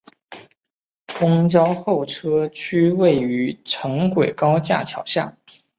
公交候车区位于城轨高架桥下。